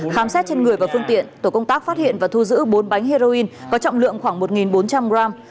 khám xét trên người và phương tiện tổ công tác phát hiện và thu giữ bốn bánh heroin có trọng lượng khoảng một bốn trăm linh gram